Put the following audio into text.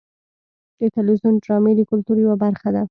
د تلویزیون ډرامې د کلتور یوه برخه ده.